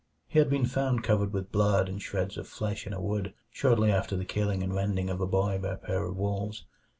He had been found covered with blood and shreds of flesh in a wood, shortly after the killing and rending of a boy by a pair of wolves.